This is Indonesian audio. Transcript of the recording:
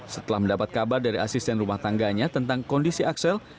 setelah mendapat kabar dari asisten rumah tangganya tentang kondisi axel